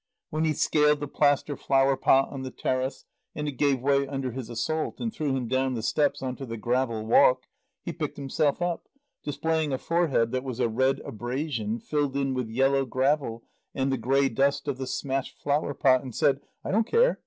When he scaled the plaster flower pot on the terrace, and it gave way under his assault and threw him down the steps on to the gravel walk, he picked himself up, displaying a forehead that was a red abrasion filled in with yellow gravel and the grey dust of the smashed flower pot, and said "I don't care.